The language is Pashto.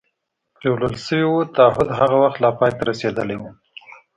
پرېولل شوي و، تعهد هغه وخت لا پای ته رسېدلی و.